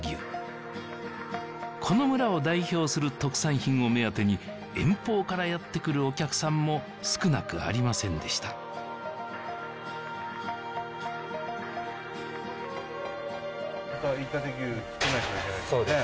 この村を代表する特産品を目当てに遠方からやってくるお客さんも少なくありませんでしたそうですね